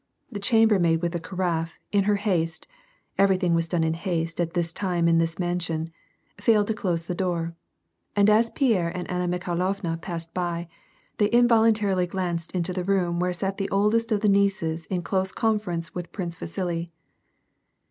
The chambermaid with the carafe, in her haste (every thing was done in haste at this time in this mansion) failed to close the door, and as Pierre and Anna Mikhailovna passed by, they involuntarily glanced into the room where sat the oldest of the nieces in close conference with Prince Vasili.